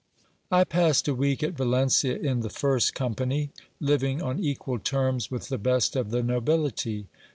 I passed a week at Valencia in the first company, living on equal terms with the best of the nobility.